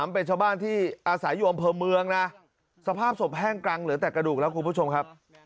เป็นชาวบ้านที่อาศัยอยู่อำเภอเมืองนะสภาพศพแห้งกรังเหลือแต่กระดูกแล้วคุณผู้ชมครับ